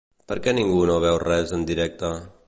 Per què ningú no veu res en directe?